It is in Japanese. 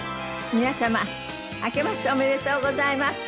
皆様あけましておめでとうございます。